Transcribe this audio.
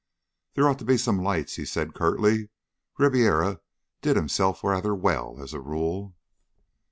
"There ought to be some lights," he said curtly. "Ribiera did himself rather well, as a rule."